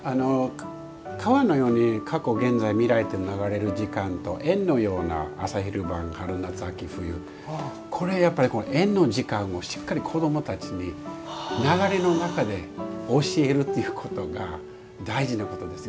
川のように過去、現在、未来というのが流れる時間と円のような、朝昼晩春夏秋冬、円の時間をしっかり子どもたちに流れの中で教えるっていうことが大事なことです。